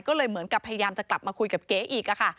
ก็เลยเหมือนกับพยายามจะกลับมาคุยกับเก๋อีกค่ะ